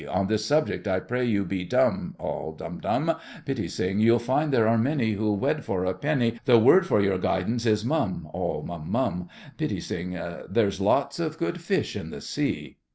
On this subject I pray you be dumb— ALL. Dumb—dumb. PITTI. You'll find there are many Who'll wed for a penny— The word for your guidance is "Mum"— ALL. Mum—mum! PITTI. There's lots of good fish in the sea!